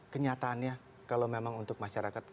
kenyataannya kalau memang untuk masyarakat